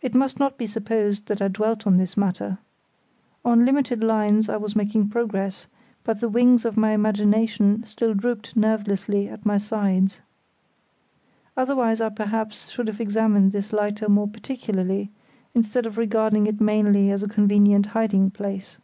It must not be supposed that I dwelt on this matter. On limited lines I was making progress, but the wings of imagination still drooped nervelessly at my sides. Otherwise I perhaps should have examined this lighter more particularly, instead of regarding it mainly as a convenient hiding place.